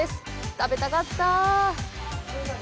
食べたかった。